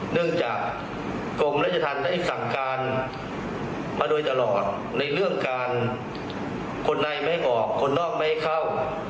เนื่องจากกรมรัชธรรมได้สั่งการมาโดยตลอดในเรื่องการคนในไม่ออกคนนอกไม่ให้เข้า